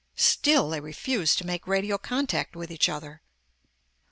Still they refused to make radio contact with each other.